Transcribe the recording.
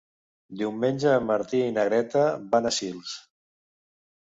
Diumenge en Martí i na Greta van a Sils.